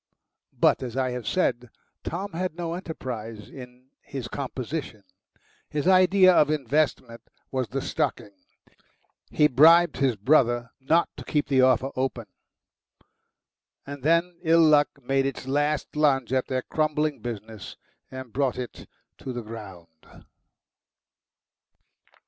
But, as I have said, Tom had no enterprise in his composition. His idea of investment was the stocking; he bribed his brother not to keep the offer open. And then ill luck made its last lunge at their crumbling business and brought it to the ground.